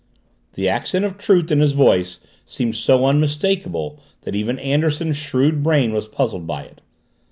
The accent of truth in his voice seemed so unmistakable that even Anderson's shrewd brain was puzzled by it.